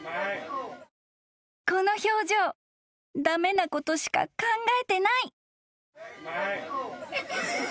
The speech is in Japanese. ［この表情駄目なことしか考えてない］